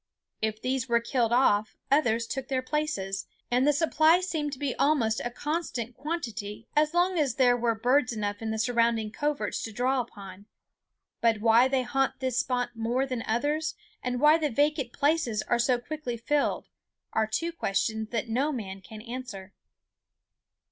If these were killed off, others took their places, and the supply seemed to be almost a constant quantity as long as there were birds enough in the surrounding coverts to draw upon; but why they haunt this spot more than others, and why the vacant places are so quickly filled, are two questions that no man can answer.